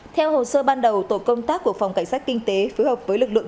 theo hồ sơ ban đầu tổ công tác của phòng cảnh sát kinh tế phối hợp với lực lượng